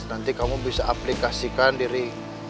nanti kamu bisa aplikasikan diri